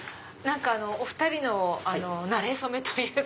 お２人のなれ初めというか。